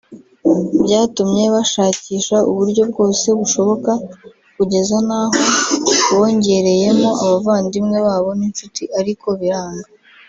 Byatumye bashakisha uburyo bwose bushoboka kugeza n’aho bongereyemo abavandimwe babo n’inshuti ariko biranga